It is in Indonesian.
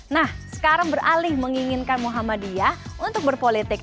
nah sekarang beralih menginginkan muhammadiyah untuk berpolitik